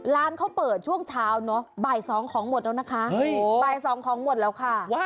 ร้านเขาเปิดช่วงเช้าบ่าย๒ของหมดแล้วค่ะ